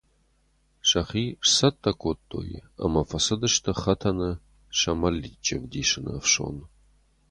Сӕхи сцӕттӕ кодтой ӕмӕ фӕцыдысты хӕтӕны сӕ мӕличчы ӕвдисыны ӕфсон.